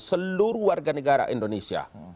seluruh warga negara indonesia